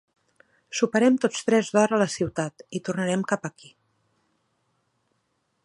Soparem tots tres d'hora a la ciutat, i tornarem cap aquí.